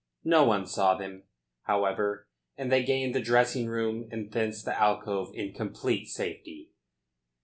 No one saw them, however, and they gained the dressing room and thence the alcove in complete safety.